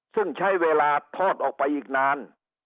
ซึ่งใช้เวลาทอดออกไปอีกนาน